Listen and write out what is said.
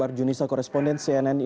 hai bengejar selamat pagi